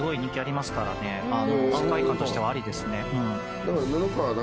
世界観としてはありですね。